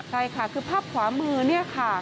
ใช่ค่ะคือภาพขวามือเนี่ยค่ะ